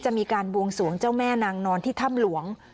จะมีการบวงสวงเจ้าแม่นางนอนที่ถ้ำหลวง